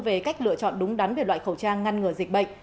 về cách lựa chọn đúng đắn về loại khẩu trang ngăn ngừa dịch bệnh